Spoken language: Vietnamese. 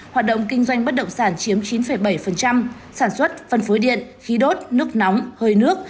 hoạt động kinh doanh bất động sản chiếm chín bảy sản xuất phân phối điện khí đốt nước nóng hơi nước